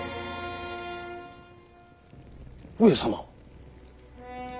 上様。